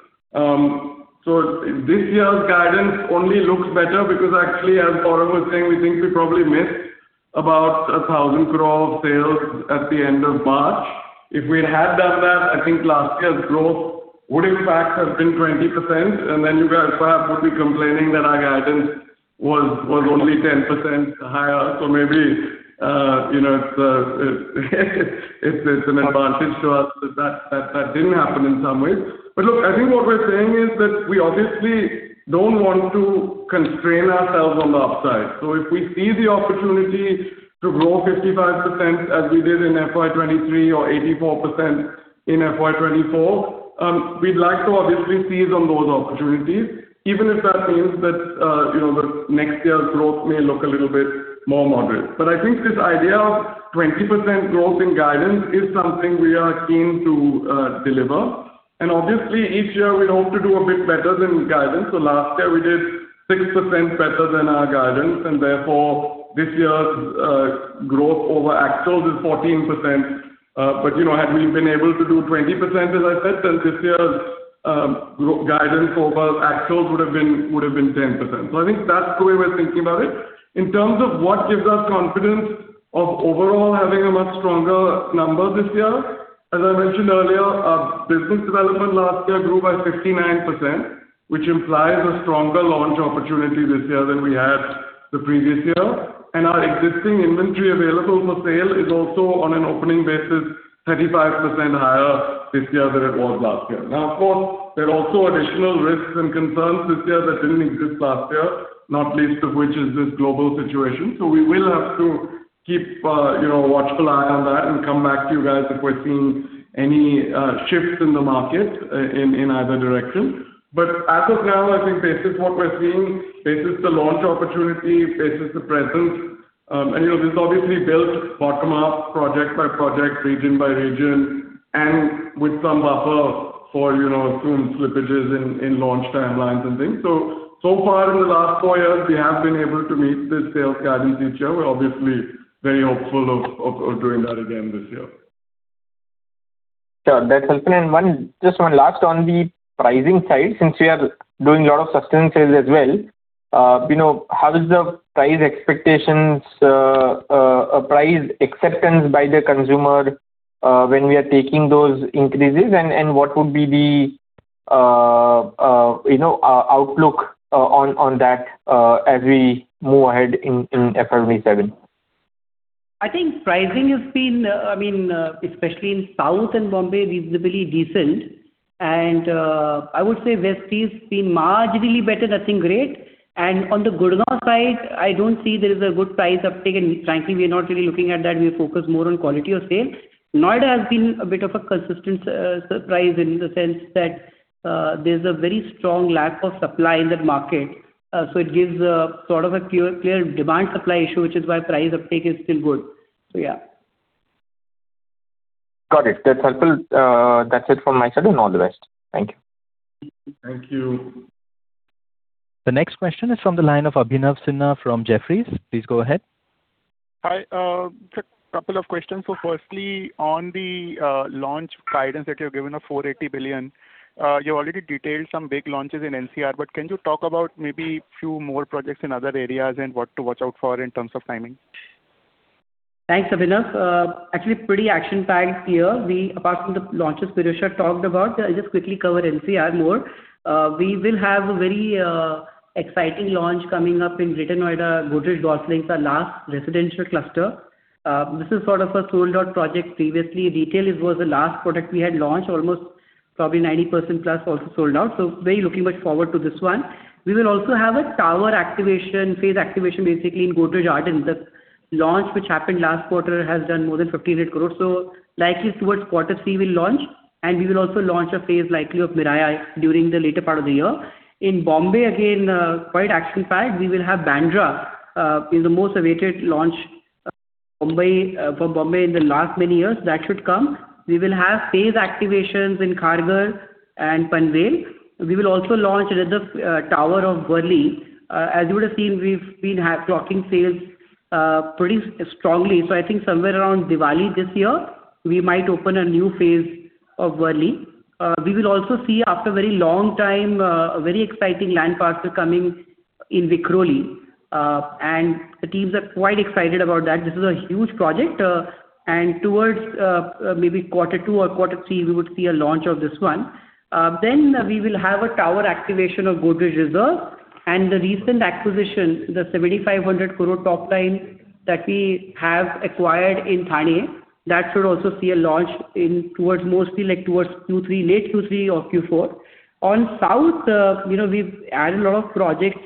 This year's guidance only looks better because actually, as Gaurav was saying, we think we probably missed about 1,000 crore of sales at the end of March. If we had done that, I think last year's growth would in fact have been 20%, and then you guys perhaps would be complaining that our guidance was only 10% higher. Maybe, you know, it's an advantage to us that didn't happen in some ways. Look, I think what we're saying is that we obviously don't want to constrain ourselves on the upside. If we see the opportunity to grow 55%, as we did in FY 2023 or 84% in FY 2024, we'd like to obviously seize on those opportunities, even if that means that the next year's growth may look a little bit more moderate. I think this idea of 20% growth in guidance is something we are keen to deliver. Obviously each year we hope to do a bit better than guidance. Last year we did 6% better than our guidance, and therefore this year's growth over actuals is 14%. You know, had we been able to do 20%, as I said, then this year's guidance over actuals would have been 10%. I think that's the way we're thinking about it. In terms of what gives us confidence of overall having a much stronger number this year, as I mentioned earlier, our business development last year grew by 59%, which implies a stronger launch opportunity this year than we had the previous year. Our existing inventory available for sale is also on an opening basis 35% higher this year than it was last year. Of course, there are also additional risks and concerns this year that didn't exist last year, not least of which is this global situation. We will have to keep, you know, a watchful eye on that and come back to you guys if we're seeing any shifts in the market in either direction. As of now, I think basis what we're seeing, basis the launch opportunity, basis the present, and you know, this is obviously built bottom up, project by project, region by region, and with some buffer for, you know, assumed slippages in launch timelines and things. So far in the last four years, we have been able to meet this sales guidance each year. We're obviously very hopeful of doing that again this year. Sure, that's helpful. Just one last on the pricing side, since we are doing a lot of sustenance sales as well, you know, how is the price expectations, price acceptance by the consumer, when we are taking those increases? What would be the, you know, outlook on that, as we move ahead in FY 2027? I think pricing has been, I mean, especially in South and Mumbai, reasonably decent. I would say West is, been marginally better, nothing great. On the Gurgaon side, I don't see there is a good price uptick, and frankly, we are not really looking at that. We focus more on quality of sales. Noida has been a bit of a consistent surprise in the sense that, there's a very strong lack of supply in that market. It gives a sort of a clear demand supply issue, which is why price uptick is still good. Yeah. Got it. That's helpful. That's it from my side and all the best. Thank you. Thank you. The next question is from the line of Abhinav Sinha from Jefferies. Please go ahead. Hi, just couple of questions. Firstly, on the launch guidance that you are given of 480 billion, you already detailed some big launches in NCR. Can you talk about maybe few more projects in other areas and what to watch out for in terms of timing? Thanks, Abhinav. Actually pretty action-packed year. Apart from the launches Pirojsha talked about, I'll just quickly cover NCR more. We will have a very exciting launch coming up in Greater Noida, Godrej Golf Links, our last residential cluster. This is sort of a sold-out project previously. Retail, it was the last product we had launched, almost probably 90% plus also sold out, so very looking much forward to this one. We will also have a tower activation, phase activation, basically, in Godrej Arden. The launch which happened last quarter has done more than 15.8 crore. Likely towards Q3 we'll launch, and we will also launch a phase likely of Godrej Miraya during the later part of the year. In Bombay, again, quite action-packed. We will have Bandra is the most awaited launch, Mumbai, for Bombay in the last many years. That should come. We will have phase activations in Kharghar and Panvel. We will also launch another tower of Worli. As you would have seen, we've been clocking sales pretty strongly. I think somewhere around Diwali this year, we might open a new phase of Worli. We will also see after very long time a very exciting land parcel coming in Vikhroli, and the teams are quite excited about that. This is a huge project, and towards maybe Q2 or Q3, we would see a launch of this one. We will have a tower activation of Godrej Reserve. The recent acquisition, the 7,500 crore top line that we have acquired in Thane, that should also see a launch mostly like towards Q3, late Q3 or Q4. On south, you know, we've added a lot of projects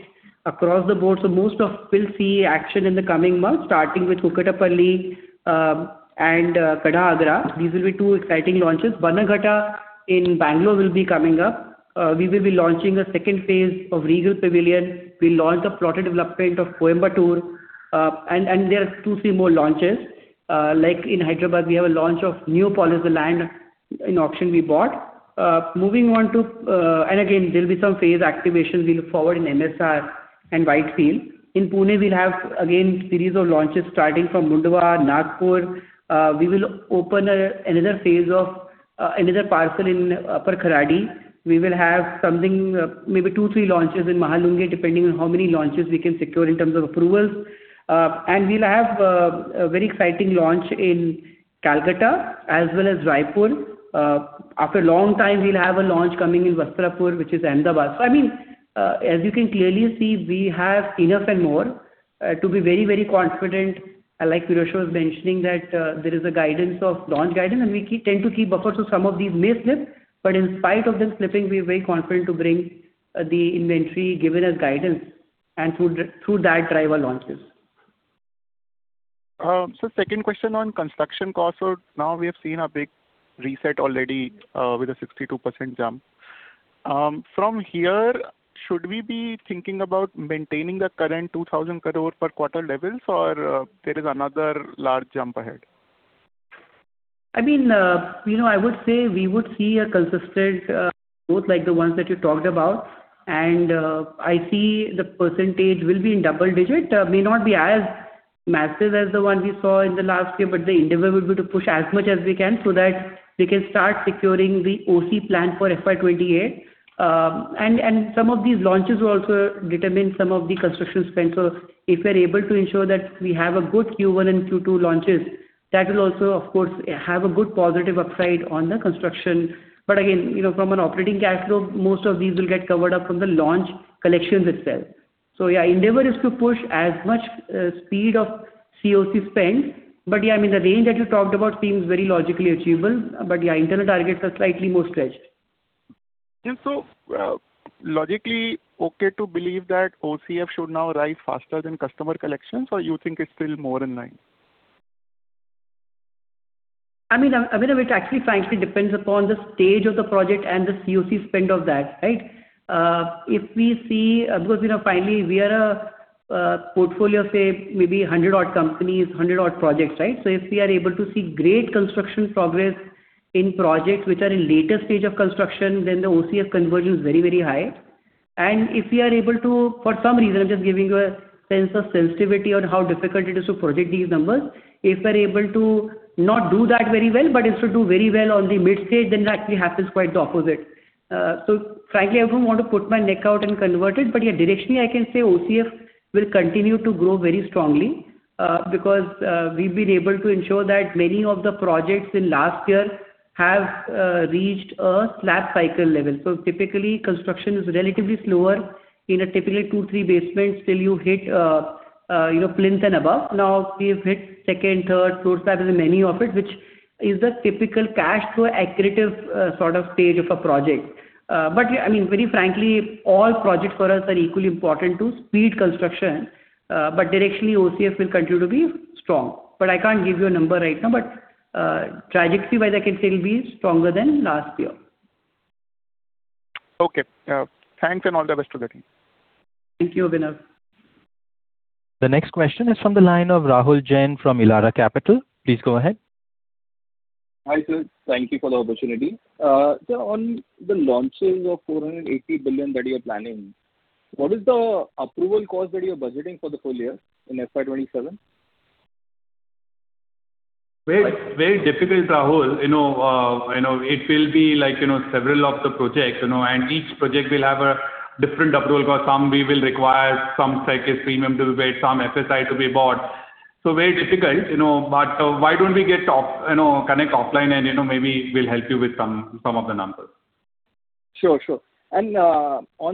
across the board, so most of we'll see action in the coming months, starting with Kukatpally and Pahargarh. These will be two exciting launches. Bannerghatta in Bangalore will be coming up. We will be launching a second phase of Godrej Regal Pavilion. We'll launch a plotted development of Coimbatore. There are two, three more launches. Like in Hyderabad, we have a launch of new policy land in auction we bought. Moving on to. Again, there'll be some phase activations we look forward in Godrej MSR City and Whitefield. In Pune, we'll have again series of launches starting from Mundhwa, Nagpur. We will open another phase of another parcel in Upper Kharadi. We will have something, maybe two, three launches in Mahalunge, depending on how many launches we can secure in terms of approvals. We'll have a very exciting launch in Kolkata as well as Raipur. After a long time, we'll have a launch coming in Vastrapur, which is Ahmedabad. I mean, as you can clearly see, we have enough and more to be very, very confident. Like Pirojsha was mentioning that there is a guidance of launch guidance, we tend to keep buffers, some of these may slip. In spite of them slipping, we're very confident to bring the inventory given as guidance and through that drive our launches. Second question on construction costs. Now we have seen a big reset already, with a 62% jump. From here, should we be thinking about maintaining the current 2,000 crore per quarter levels or there is another large jump ahead? I mean, you know, I would say we would see a consistent growth like the ones that you talked about. I see the percentage will be in double digit. May not be as massive as the one we saw in the last year, but the endeavor would be to push as much as we can so that we can start securing the OC plan for FY 2028. Some of these launches will also determine some of the construction spend. If we're able to ensure that we have a good Q1 and Q2 launches, that will also of course have a good positive upside on the construction. Again, you know, from an operating cash flow, most of these will get covered up from the launch collections itself. Endeavor is to push as much speed of COC spend. Yeah, I mean, the range that you talked about seems very logically achievable. Yeah, internal targets are slightly more stretched. Yeah. Logically okay to believe that OCF should now rise faster than customer collections, or you think it's still more in line? I mean, Abhinav, it actually frankly depends upon the stage of the project and the COC spend of that, right? Because, you know, finally we are a portfolio, say maybe 100 odd companies, 100 odd projects, right? If we are able to see great construction progress in projects which are in later stage of construction, then the OCF conversion is very, very high. If we are able to, for some reason, I'm just giving you a sense of sensitivity on how difficult it is to project these numbers. If we're able to not do that very well, but if we do very well on the mid stage, then that actually happens quite the opposite. Frankly, I don't want to put my neck out and convert it. Directionally, I can say OCF will continue to grow very strongly, because we've been able to ensure that many of the projects in last year have reached a slab cycle level. Typically, construction is relatively slower in a typically two, three basements till you hit, you know, plinth and above. We've hit second, third floor slab in many of it, which is the typical cash flow accretive sort of stage of a project. I mean, very frankly, all projects for us are equally important to speed construction. Directionally OCF will continue to be strong. I can't give you a number right now. Trajectory-wise, I can say will be stronger than last year. Okay. Thanks and all the best to the team. Thank you, Abhinav. The next question is from the line of Rahul Jain from Elara Capital. Please go ahead. Hi, sir. Thank you for the opportunity. On the launches of 480 billion that you're planning, what is the approval cost that you're budgeting for the full year in FY 2027? Very, very difficult, Rahul. You know, you know, it will be like, you know, several of the projects, you know, and each project will have a different approval cost. Some we will require some psyche premium to be paid, some FSI to be bought. Very difficult, you know. Why don't we get off, you know, connect offline and, you know, maybe we'll help you with some of the numbers. Sure, sure. On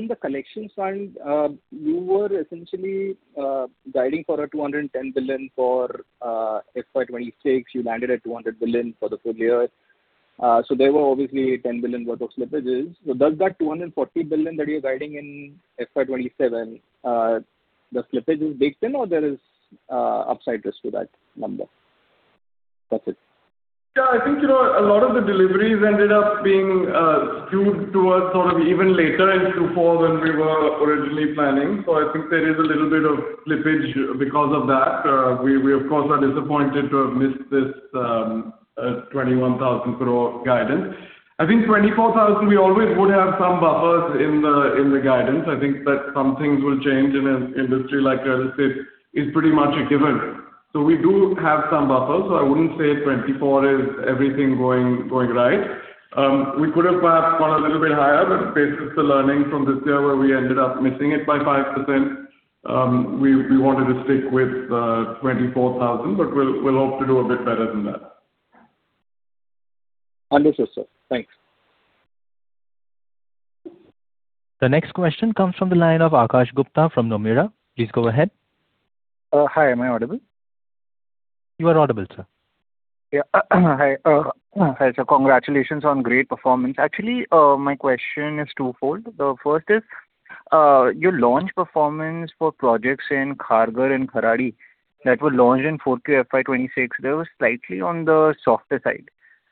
the collection side, you were essentially guiding for 210 billion for FY 2026. You landed at 200 billion for the full year. There were obviously 10 billion worth of slippages. Does that 240 billion that you're guiding in FY 2027, the slippage is baked in or there is upside risk to that number? That's it. Yeah, I think, you know, a lot of the deliveries ended up being skewed towards sort of even later into Q4 than we were originally planning. We, we of course are disappointed to have missed this 21,000 crore guidance. I think 24,000 we always would have some buffers in the, in the guidance. I think that some things will change in an industry like real estate is pretty much a given. We do have some buffers. I wouldn't say 24,000 is everything going right. We could have perhaps gone a little bit higher, but based off the learning from this year where we ended up missing it by 5%, we wanted to stick with 24,000. We'll hope to do a bit better than that. Understood, sir. Thanks. The next question comes from the line of Akash Gupta from Nomura. Please go ahead. Hi. Am I audible? You are audible, sir. Yeah. Hi. Hi, sir. Congratulations on great performance. Actually, my question is twofold. The first is, your launch performance for projects in Kharghar and Kharadi that were launched in 4Q FY 2026, they were slightly on the softer side.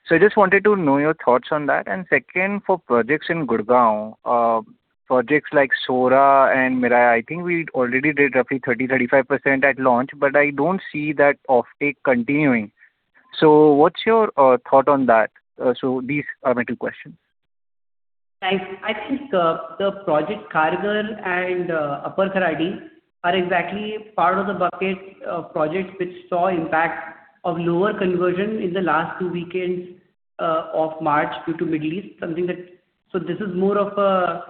I just wanted to know your thoughts on that. Second, for projects in Gurugram, projects like Sora and Mirai, I think we already did roughly 30%-35% at launch, but I don't see that offtake continuing. What's your thought on that? These are my two questions. Thanks. I think the project Kharghar and Upper Kharadi are exactly part of the bucket of projects which saw impact of lower conversion in the last two weekends of March due to Middle East. This is more of a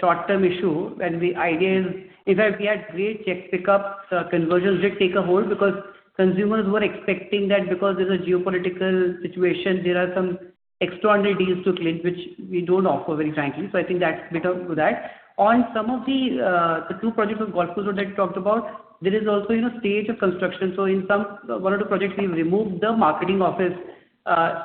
short-term issue, and the idea is if we had great check pick up, the conversions did take a hold because consumers were expecting that because there's a geopolitical situation, there are some extraordinary deals to clinch, which we don't offer very frankly. I think that's bit of to that. On some of the two projects of Gurgaon that you talked about, there is also, you know, stage of construction. In some one or two projects we've removed the marketing office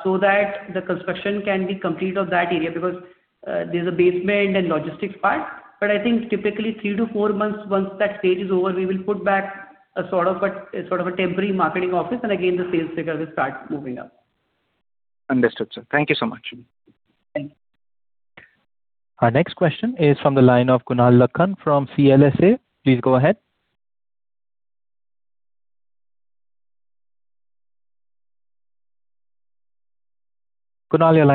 so that the construction can be complete of that area because there's a basement and logistics part. I think typically 3-4 months, once that stage is over, we will put back a sort of a temporary marketing office and again the sales figure will start moving up. Understood, sir. Thank you so much. Thank you. Our next question is from the line of Kunal Lakhan from CLSA. Please go ahead. Hello, am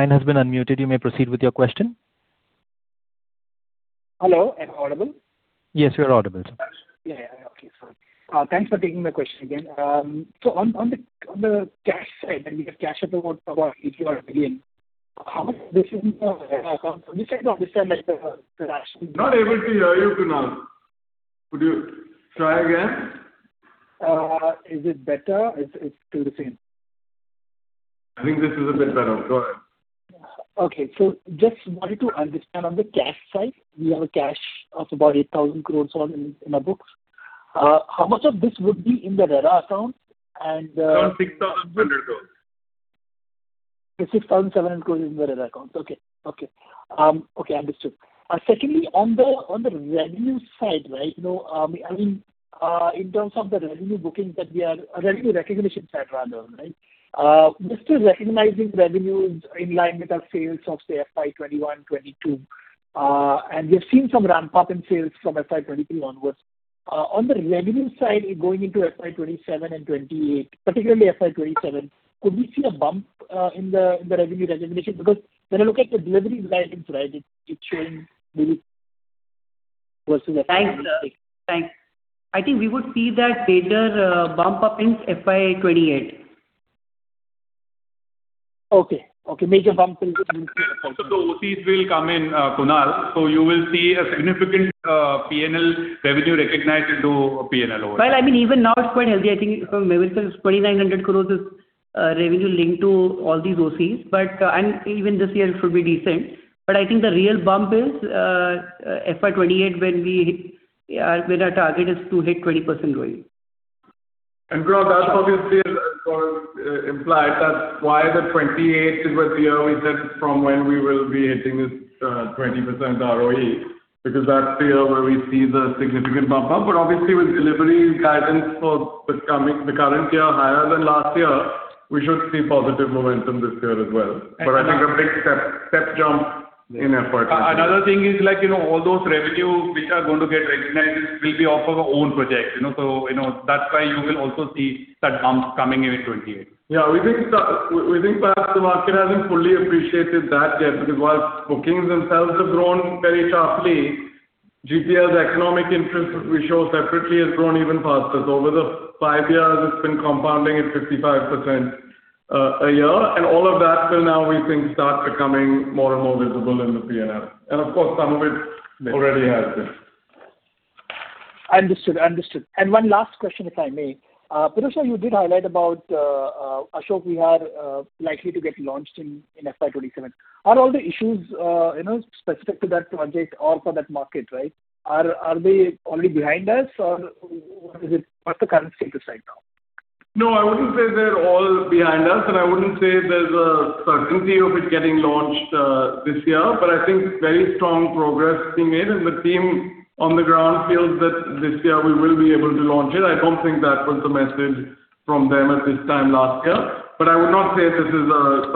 I audible? Yes, you are audible, sir. Yeah, yeah. Okay, sorry. Thanks for taking my question again. On the cash side, I mean, you have cash of about 8,000 million. How much of this is in the RERA account? I'm just trying to understand, like, the rationale. Not able to hear you, Kunal. Could you try again? Is it better? It's still the same. I think this is a bit better. Go ahead. Okay. Just wanted to understand on the cash side, you have a cash of about 8,000 crores in our books. How much of this would be in the RERA account? Around 6,100 crores. 6,700 crores in the RERA account. Okay. Okay. Okay, understood. Secondly, on the revenue side, right, you know, I mean, in terms of the revenue bookings, revenue recognition side rather, right? We're still recognizing revenues in line with our sales of say FY 2021, 2022. We've seen some ramp-up in sales from FY 2022 onwards. On the revenue side going into FY 2027 and 2028, particularly FY 2027, could we see a bump in the revenue recognition? When I look at the delivery guidance, right, it's showing maybe versus. Thanks, sir. Thanks. I think we would see that better bump up in FY 2028. Okay. Okay. Major bump in 2028. Those fees will come in, Kunal. You will see a significant P&L revenue recognized into P&L overall. Well, I mean, even now it's quite healthy. I think maybe it's 2,900 crore is revenue linked to all these OCs. Even this year it should be decent. I think the real bump is FY 2028 when our target is to hit 20% ROE. Kunal, that's obviously as implied. That's why the 2028 is what the year we said from when we will be hitting this 20% ROE. That's the year where we see the significant bump up. Obviously with delivery guidance for the current year higher than last year, we should see positive momentum this year as well. I think a big step jump-in FY 2028. Another thing is like, you know, all those revenue which are going to get recognized will be off of our own projects, you know. That's why you will also see that bump coming in in 2028. Yeah, we think perhaps the market hasn't fully appreciated that yet because whilst bookings themselves have grown very sharply, GPL's economic interest, which we show separately, has grown even faster. Over the five years it's been compounding at 55% a year. All of that till now we think starts becoming more and more visible in the P&L. Of course, some of it already has been. Understood. Understood. One last question, if I may. Pirojsha, you did highlight about Ashok Vihar likely to get launched in FY 2027. Are all the issues, you know, specific to that project or for that market, right? Are they already behind us or what's the current status right now? No, I wouldn't say they're all behind us. I wouldn't say there's a certainty of it getting launched this year. I think very strong progress is being made. The team on the ground feels that this year we will be able to launch it. I don't think that was the message from them at this time last year. I would not say this is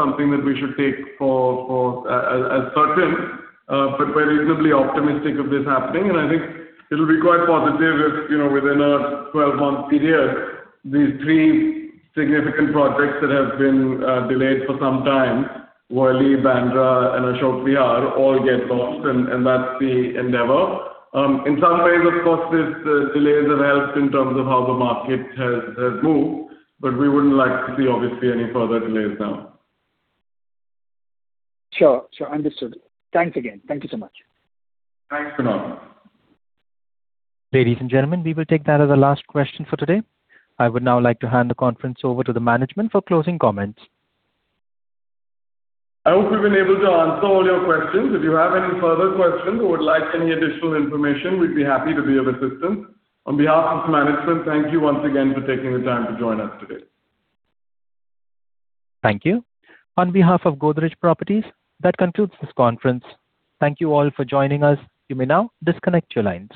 something that we should take for as certain. We're reasonably optimistic of this happening. I think it'll be quite positive if, you know, within a 12-month period, these three significant projects that have been delayed for some time, Worli, Bandra, and Ashok Vihar, all get launched. That's the endeavor. In some ways, of course, these delays have helped in terms of how the market has moved, but we wouldn't like to see obviously any further delays now. Sure. Sure. Understood. Thanks again. Thank you so much. Thanks, Kunal. Ladies and gentlemen, we will take that as our last question for today. I would now like to hand the conference over to the management for closing comments. I hope we've been able to answer all your questions. If you have any further questions or would like any additional information, we'd be happy to be of assistance. On behalf of the management, thank you once again for taking the time to join us today. Thank you. On behalf of Godrej Properties, that concludes this conference. Thank you all for joining us. You may now disconnect your lines.